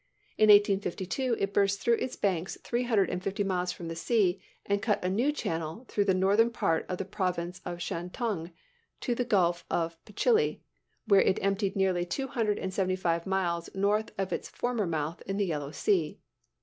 In 1852 it burst through its banks three hundred and fifty miles from the sea, and cut a new channel through the northern part of the province of Shantung to the Gulf of Pechili, where it emptied nearly two hundred and seventy five miles north of its former mouth in the Yellow Sea.